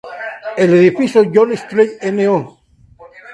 El Edificio John Street No.